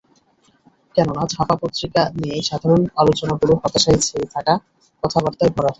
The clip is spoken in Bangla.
কেননা, ছাপা পত্রিকা নিয়ে সাধারণ আলোচনাগুলো হতাশায় ছেয়ে থাকা কথাবার্তায় ভরা থাকে।